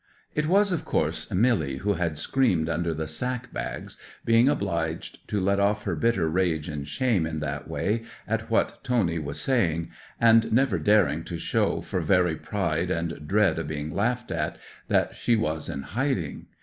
'It was, of course, Milly who had screamed under the sack bags, being obliged to let off her bitter rage and shame in that way at what Tony was saying, and never daring to show, for very pride and dread o' being laughed at, that she was in hiding.